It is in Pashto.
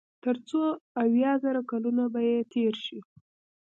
تر څو اويا زره کلونه به ئې تېر شي